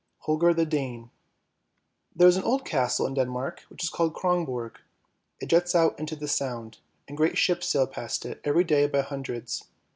HOLGER THE DANE THERE is an old castle in Denmark which is called Kronborg; it juts out into the Sound, and great ships sail past it every day by hundreds.